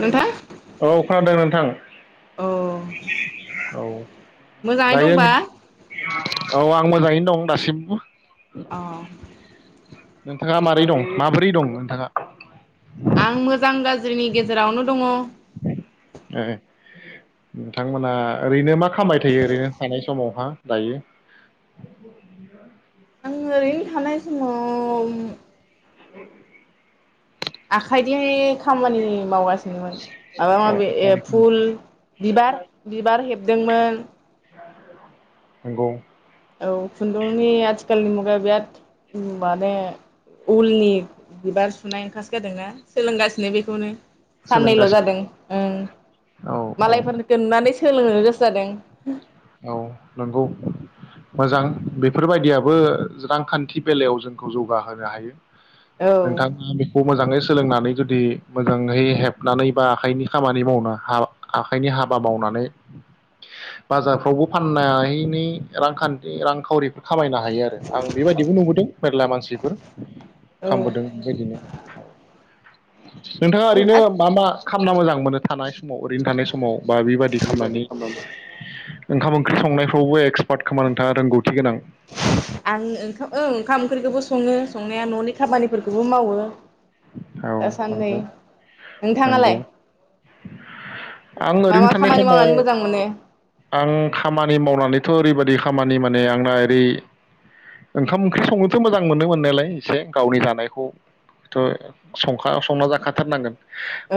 नोंथां औ खोनादों नोंथां औ औ मोजाङै दायो दंबा औ आं मोजांङैनो दं दासिमबो। अ नोंथांङा मारै दं? माबोरै दं नोंथाङा? आं मोजां गाज्रिनि गेजेरावनो दंङ। ए नोंथांमोना ओरैनो मा खामबाय थायो। ओरैनो थानाय समाव हा दायो आं ओरैनो थानाय समाव [inaudible] आखाइजोंहाय खामानि मावगा निमोन माबा औ माबि ओ फुल बिबार बिबार हेबदोंमोन नंगौ। औ खुन्दुंनि आथिखालनि मुगायाव बिराद माने उलनि बिबार सुनाय ओंखारसोगारदोंना सोलोंगासिनो बेखौनो। साननैल' जादों सोलोंगासिनो ओं औ औ मालायफोरनिखो नुनानै सोलोंनो गोसो जादों। औ नंगौ। मोजां बेफोरबायदियाबो रांखान्थि बेलायाव जोंखौ जौगा होनो हायो। नोंथांङा बेखौ मोजांङै सोलोंनानै जुदि मोजांङै हेबनानै बा आखाइनि खामानि मावनो आखाइनि हाबा मावनानै बाजारफ्रावबो फाननायनि रांखान्थि रांखावरिफोर खामायनो हायो आरो। आं बेबायदिबो नुबोदों मेरला मानसिफोर खामबोदों बेबायदिनो। नोंथांङा औ ओरैनो औ मा- मा खालामना मोजां मोनो थानाय समाव ओरैनो थानाय समाव बा बि बादि बेबायदि खालामनानै खालामो ओंखाम ओंख्रि संनायफ्रावबो एक्सपार्ट खोमा नोंथाङा रोंगौथि गोनां आं ओंखाम ओ ओंखाम ओंख्रिखौबो सङो संनाया न'नि खामानिफोरखौबो मावो। औ दासान्नै नंगौ नंगौ नोंथाङालाय आं मा ओरैनो मा थानाय खामानि समाव मावनानै मोजां मोनो? आं खामानि मावनानैथ' ओरैबायदि खामानि माने आंना ओरै ओंखाम ओंख्रि संनोथ' मोजां मोनो मोननायालाय एसे गावनि जानायखौथ' संखा संना जाखाथारनांगोन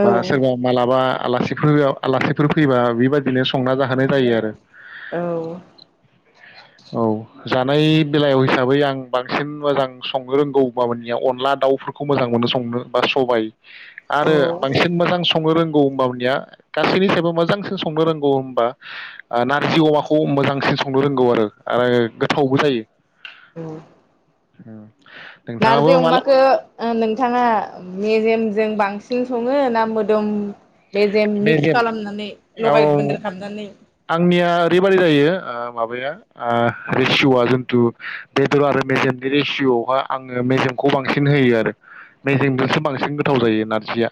औ सोरबा मालाबा आलासिफोर आलासिफोर फैबा बेबायदिनो संना जाहोनो जायो आरो। औ औ जानाय बेलायाव हिसाबै आं बांसिन मोजां संनो रोंगौ होनबाबनिया अनला दाउफोरखौ मोजां मोनो संनो बा सबाय औ आरो बांसिन मोजां संनो रोंगौ हबनिया गासैनि हिसाबैबो मोजांसिन संनो रोंगौ होनबा ओ नारजि अमाखौ मोजांसिन संनो रोंगौ आरो आरो गोथावबो जायो। औ नोंथाङाबो नारजि माला अमाखौ ओ नों बिथाङा मेजेमजों बांसिन सङो ना मोदोम मेजेम मिक्स खालामनानै लगाय औ मोन्देर खालामनानै आंनिया ओरैबायदि जायो ओ माबाया रेसिय'आ जिथु बेदर आरो मेजेमनि रेसिय'आवहा आङो मेजेमखौ बांसिन होयो आरो मेजेमजोंसो बांसिन गोथाव जायो नारजिया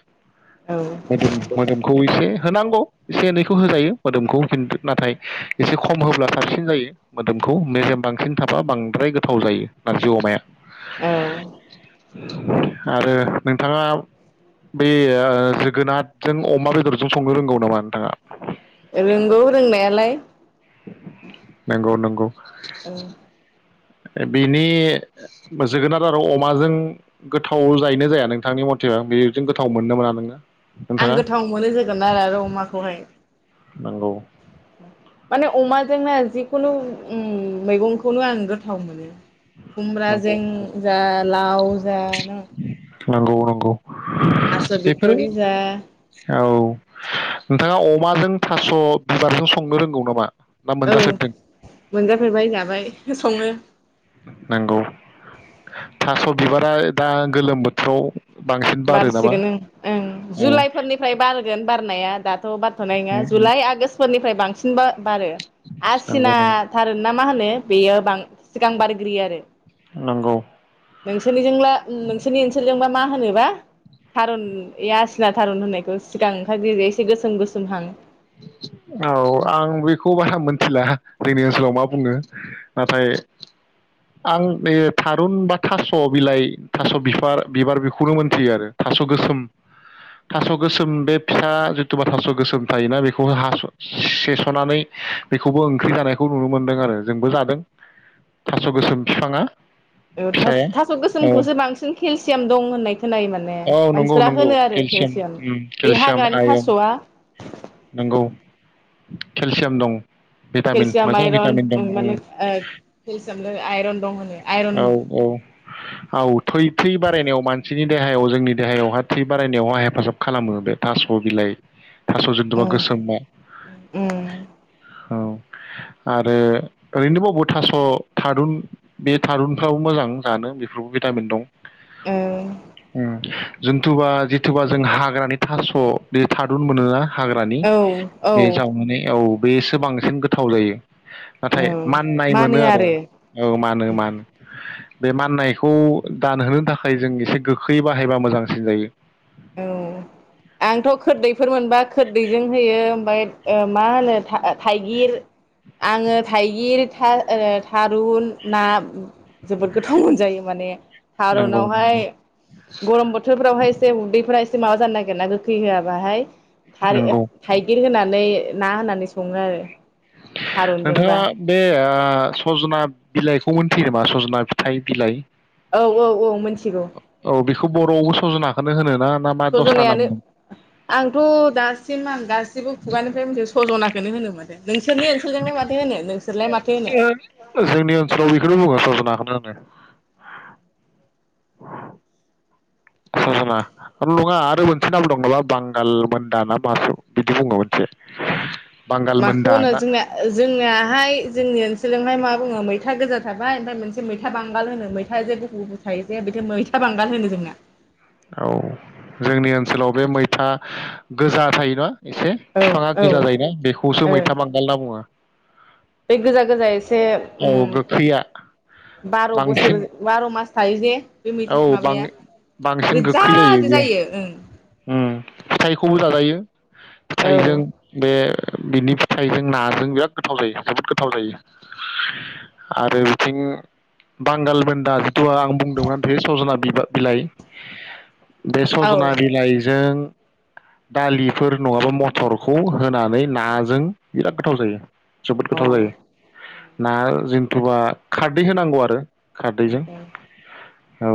औ मोदोम मोदोमखौ एसे होनांगौ एसे एनैखौ होजायो मोदोमखौ खिन्थु नाथाय एसे खम होब्ला साबसिन जायो मोदोमखौ मेजेम बांसिन थाबा बांद्राय गोथाव जायो नारजि अमाया [inaudible] औ आरो नोंथाङा बे जोगोनारजों अमा बेदरजों संनो रोंगौ नामा नोंथाङा रोंगौ रोंनायालाय नंगौ नंगौ [inaudible] औ बिनि जोगोनार आरो अमाजों गोथाव जायैनो जाया नोंथांनि मथेबा बेजों गोथाव मोनो ना मोना नोङो? आं नोंथाङा गोथाव मोनो जोगोन आरो अमाखौहाय नंगौ। जोंना जिखुनु उम मैगंखौनो आं गोथाव मोनो नंगौ खुमब्राजों जा लाव जा न नंगौ नंगौ थास' बेफोरो बिथ'रि जा औ नोंथाङा अमाजों थास' बिबारजों संनो रोंगौ नामा ना औ मोनजाफेरदों मोनजाफेरबाय जाबाय संनो नंगौ थास' बिबारा दा गोलोम बोथोराव बांसिन बारो नामा बारसिगोन ओं ओं औ जुलाइफोरनिफ्राय बारगोन बार होननाया दा औ बारथनाय नङा जुलाइ आगोष फोरनिफ्राय बांसिन बा-बारो नंगौ नंगौ आसिनाथारुना मा होनो बेयो बां सिगां बारग्रोयो आरो नंगौ नोंसोरनिजोंला नोंसोरनि ओनसोलजोंबा मा होनोबा थारुन एय आसिना थारुन होननायखौ सिगां ओंखार ग्रोयो एसे गोसोम गोसोम हां औ आं बेखौ बारा मोनथिला जोंनि ओनसोलाव मा बुङो नाथाय आं नै थारुन बा थास' बिलाइ थास' बिफार बिबार बेखौल मोनथियो आरो थास गोसोम थास' गोसोम बे फिसा जिथुबा थास' गोसोम थायोना बेखौ हास से-सनानै बेखौबो ओंख्रि जानायखौ नुनो मोनदों आरो जोंबो जादों थास गोसोम बिफाङा। औ थास' फिसाया थास' औ गोसोमखौसो बांसिन खेल सेम दं होननाय खोनायो माने औ नंगौ मानसिफोरा नंगौ होनो आरो केलसियाम उम बे केलसियाम हाग्रानि आयरन थास'आ नंगौ केलसियाम दं। भिटामिन केलसियाम मोजां आइरन भिटामिन ओ दं उम केलसियामजों आइरन दं होनो आइरन औ औ औ थै-थै बारायनायाव मानसिनि दे हायाव जोंनि देहायावहा थै बारायनायावहा हेफाजाब खालामो बे थास' बिलाइ थास' जुनतुबा उम गोसोमा उम औ आरो ओरैनोबावबो थास' थारुन बे थारुनफ्राबो मोजां जानो बेफोरावबो भिटामिन दं। ओं उम जन्थुबा-जिथुबा जों हाग्रानि थास' बे थादुन मोनो ना हाग्रानि औ औ बे जावनानै औ बैसो बांसिन गोथाव जायो। नाथाय औ माननाय मोनो आरो औ मानो मानो बे माननायखौ दानहोनो थाखाय जों एसे गोखै बाहायबा मोजांसिन जायो। औ आंथ खोददैफोर मोनबा खोददैजों होयो ओमफाय ओ मा होनो थाइगिर आङो थाइगिर था ओ थारुन नाम जोबोद गोथाव मोनजायो माने नंगौ थारनावहाय गरम बोथोरफ्रावहाय एसे उदै फ्राय एसे माबा जानो नागिरो ना गोखै होआबाहाय नंगौ थाइ-थाइगिर होनानै ना होनानै सङो आरो नोंथाङा थारुनजोंबा बे आ सजना बिलाइखौ मोनथियोमा सजना फिथाइ-बिलाइ औ औ औ मिथिगौ । खौ बर'आवबो सजनाखौनो होनो ना ना मा दस्रा सजनायानो नाम दं आंथ' दासिम आं गासिबो खुगानिफ्राय मोनथियो सजनाखौनो होनोमोन। माथो होनो जोंनि ओनसोलाव बेखौनो बुंङो सजना । [unintelligible] स'जना नङा आरो मोनसे नाम दं नबा बांगाल मोनदा ना मासो बिदि बुङो मोनसे । माखौ होनो जोंना जोंनिहाय जोंनि ओनसोलजों ओमफाय मा बुङो मैथा गोजा थाबाय ओमफाय मोनसे मैथा बांगाल होनो मैथा जे गुफुर गुफुर थायो जे बे मैथा बांगाल होनो जोंना। औ जोंनि ओनसोलाव बे मैथा गोजा थायोना एसे औ बिफाङा औ गोजा ओ जायोना बेखौसो मैथा बांगाल होनना बुङो । बे गोजा गोजा एसे औ उम गोखैया बार' बोसोर बांसिन बार' मास थायो जे बे औ मैथा बां माबाया बांसिन गोजा गोखै बेयो जायो ओं । उम फिथाइखौबो जाजायो । ओं फिथाइजों बे बिनि फिथाइजों नाजों बिराद गोथाव जायो जोबोद गोथाव जायो आरो बिथिं बांगालबोन्दा जिथुआ आं बुंदोंमोन बे सजना बिबा बिलाइ । बे औ सजना बेजों । दालिफोर नङाबा मथरखौ होनानै नाजों बिराद गोथाव जायो। जोबोथ गोथाव जायो। औ ना जेनथुबा खारदै होनांगौ आरो खारदैजों। औ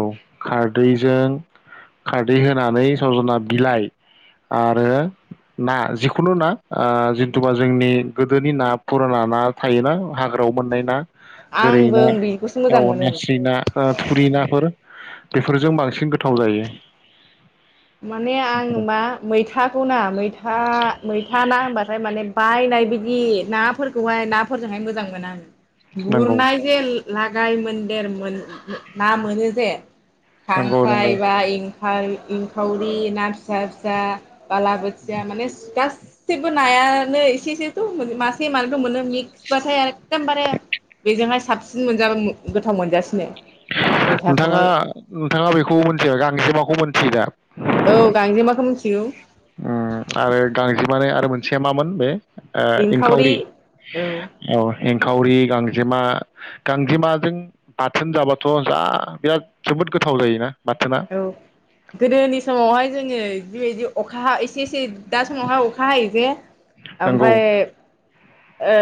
खारदैजों खारदै होनानै सजना बिलाइ। आरो ना जिखुनु ना जिन्थुुबा जोंनि गोदोनि ना फुराना ना थायोना। हाग्रायाव मोननाय ना गोरै आंबो ना, बेखौसो औ मोजां मोनो नेस्रि ना, थुरि नाफोर बेफोरजों बांसिन गोथाव जायो। माने आं बेफोरो मा मैथाखौ ना मैथा मैथा ना होनबाथाय माने बायनाय बिदि नाफोरखौहाय नाफोरजोंहाय मोजां मोना। नंगौ गुरनाय जे लागाय मन्देर मोन ना मोनो जे नंगौ नंगौ खांख्राइ बा हाय गो खावरि ना फिसा फिसा। बाला बोथिया माने [unintelligible] थेबो नायानो एसे एसेथ' मासे मानैथ' मोनो मिक्सबाथाय एखदमबारे बेजोंहाय साबसिन मोनजाबा गोथाव मोनजासिनो । नोंथाङा नोंथाङा बेखौ मोनथियो गांजेमाखौ मिथियो दा? औ गांजेमाखौ मि उम आरो गांजेमानि आरो मो सेमामोन बे ओ एंखावरि औ औ एंखावरि गांजेमा गांजेमाजों बाथोन जाबाथ' जा बिराद जोबोद गोथाव जायोना। बाथोना औ गोदोनि समावहाय जोङो बेबायदि अखा एसे एसे। दा समावहाय अखा हायोजे नंगौ ओमफ्राय ओ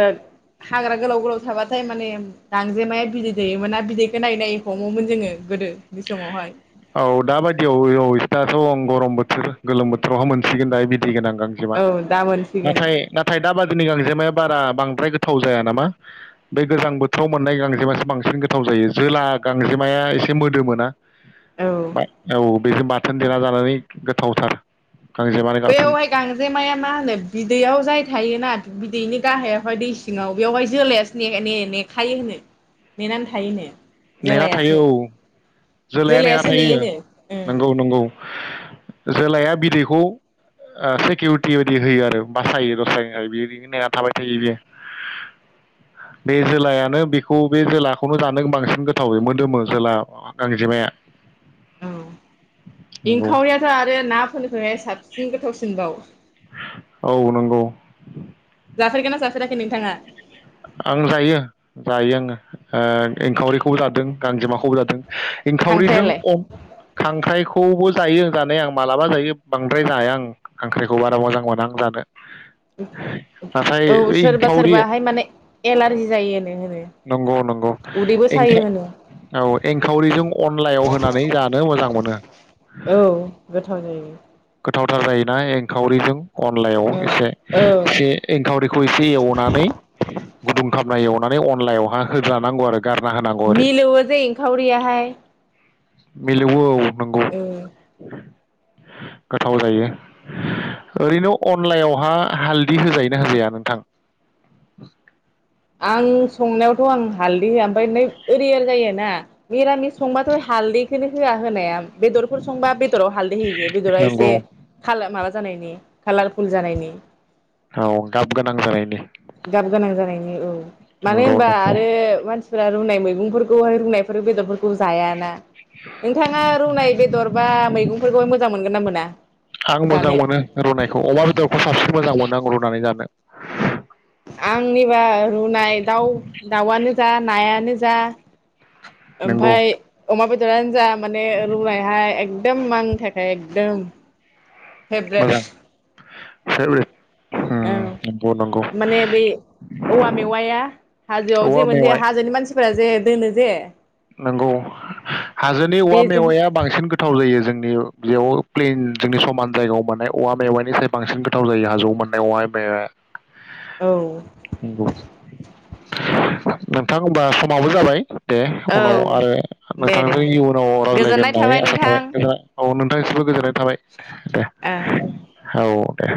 हाग्रा गोलाव गोलाव थाबाथाय माने गांजेमाया बिदै दैयोमोन ना बिदैखौ नायै नायै हमोमोन जोङो गोदो। बे समावहाय। औ दाबायदियाव औ गरम बोथोर गोलोम बोथोरावहा मोनसिगोन दा बिदि बिदै गोनां गांजेमा औ दा मोनसिगोन नाथाय नाथाय दा बादिनि गांजेमा बारा बांद्राय गोथाव जाया नामा बे गोजां बोथोराव मोननाय गांजेमासो बांसिन गोथाव जायो जोला गांजेमाया एसे मोदोमो औ। बेजों बाथोन देना जानानै गोथावथार। गांजेमानि बाथोन बेवहाय गांजेमाया मा होनो बिदैयाव जाय थायोना बिदैनि गाहायावहाय दै सिङाव बेयावहाय जोलासो ने ने नेखायो होनो नेनानै थायो होनो। नेना थायो औ जोलाया नेना जोलायासो थायो नेयोनो ओं नंगौ नंगौ जोलाया बिदै खौ सिकिउरिटि बायदि होयो आरो बासायो हायो बेबादिनो थाबाय थायो बेयो बे जोलायानो बेखौ बे जोलाखौनो जानो बांसिन गोथाव बे मोदोमो जोला गांजेमाया। औ नंगौ एंखावरियाथ' आरो ना फोरनिफ्राय साबसिन गोथावसिनबाव। औ नोंगौ। जाफेरगोना जाफेराखै नोंथाङा। आं जायो जायो आङो ओ एंखावरिखौबो जादों गांजेमाखौबो जादों। खांख्रायालाय एंखावरिजों खांख्राइ खौबो जायो जानाया आं मालाबा जायो बांद्राय जाया आं खांख्राइखौ बारा मोजां मोना आं जानो। नाथाय औ सोरबा एंखावरि सोरबाहाय माने एलारजि जायोनो होनो नंगौ नंगौ उदैबो सायो होनो औ एंखावरिजों अनलायाव होनानै जानो मोजां मोनो। औ गोथाव जायो गोथावथार जायोना एंखावरिजों। अनलायाव एसे औ एसे एंखावरिखौ एसे एवनानै गुदुं खामनाय एवनानै अनलायावहाय होदलानांगौ आरो। गारना होनांगौ ओरै मिलौवो जै एंखावरियाहाय। मिलौओ औ। नंगौ। औ [unintelligible] गोथाव जायो ओरैनो अनलायावहा हालदि होजायोना होजाया नोंथां? आं संनायावथ' आं हालदै होआ ओमफ्राय नै ओरै जाय ना मिरामिस संबाथ' हालदैखौनो होआ होनाया। बेदरफोर संबा बेदराव हालदै होयो जे बेदरा नंगौ एसे खाला माब जानायनि कालारफुल जानायनि औ गाब गोनां जानायनि गाब गोनां जानायनि औ मानो नंगौ होनबा नंगौ आरो मानसि मानफोरा रुनाय मैगंफोरखौहाय रुनायफोर बेदरफोरखौ जायाना। नोंथाङा रुनाय बेदर बा मैगंफोरखौय मोजां मोनगोन ना मोना आं मोजां जानो? मोनो रुनायखौ अमा बेदरखौ साबसिन मोजां मोनो आं रुनानै जानो आंनिबा रुनाय दाउ दाउआनो जा नायानो जा नंगौ ओमफ्राय अमा बेदर आंनो जा माने रुायहाय ए एकदम माननि थाखाय एकदम फेब्रेद मोजां [unintelligible] उम नंगौ नंगौ माने बै औवा मेवाया हाजोआव औवा जे मोन जे मेवाइ हाजोनि मानसिफोरा जे दोनो जे नोंगौ हाजोनि औवा बेजों मेवाया बांसिन गोथाव जायो जों बेयाव प्लेन जोंनि समान जायगायाव मोननाय औवा मेवानि स बांसिन गोथाव जायो हाजोआव मोननाय औवा मेवाया। औ नोंगौ। नोंथां होबा समावबो जाबाय दे। औ उनाव आरो दे दे नोंथांजों इयुनाव गोजोननाय रायज्लायगोन होननानै थाबाय आसा नोंथां थाबाय औ। दासिबो गोजोननाय थाबाय। ओ औ दे